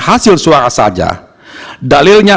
hasil suara saja dalilnya